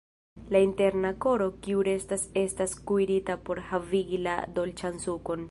La interna koro kiu restas estas kuirita por havigi la dolĉan sukon.